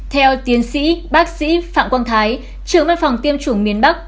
theo tiến sĩ bác sĩ phạm quang thái trưởng văn phòng tiêm chủng miền bắc